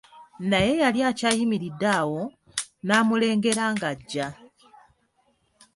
Naye yali akyayimiridde awo, n'amulengera ng'ajja.